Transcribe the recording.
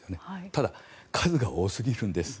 ただ、数が多すぎるんです。